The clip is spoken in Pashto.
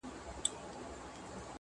د سياسي کلتور د ارزښت